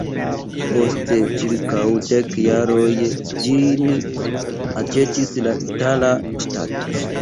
Post ĉirkaŭ dek jaroj ĝin aĉetis la itala ŝtato.